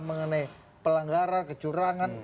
mengenai pelanggaran kecurangan